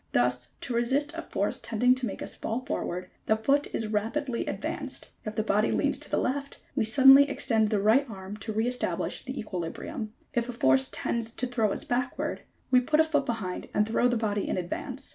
Thus, to resist a force tending to make us fall forward the foot is rapidly advanced : if the body leans to the left we suddenly extend the right arm to re establish the equilibrium, if a force tends to throw us backward, we put a foot behind and throw the body in advance.